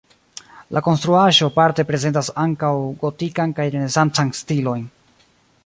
La konstruaĵo parte prezentas ankaŭ gotikan kaj renesancan stilojn.